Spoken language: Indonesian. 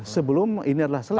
sebelum ini adalah selesai